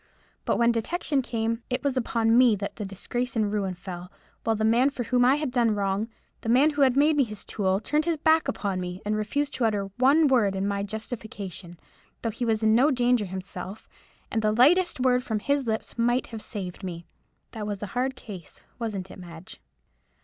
But when detection came, it was upon me that the disgrace and ruin fell; while the man for whom I had done wrong—the man who had made me his tool—turned his back upon me, and refused to utter one word in my justification, though he was in no danger himself, and the lightest word from his lips might have saved me. That was a hard case, wasn't it, Madge?"